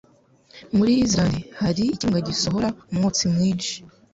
Muri Islande hari ikirunga gisohora umwotsi mwinshi.